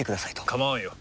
構わんよ。